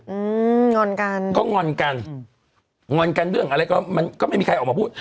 อืมงอนกันก็งอนกันอืมงอนกันเรื่องอะไรก็มันก็ไม่มีใครออกมาพูด